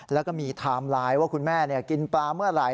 แล้วก็มีไทม์ไลน์ว่าคุณแม่กินปลาเมื่อไหร่